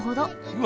うわ！